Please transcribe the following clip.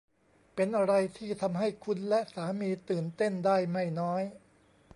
เป็นอะไรที่ทำให้คุณและสามีตื่นเต้นได้ไม่น้อย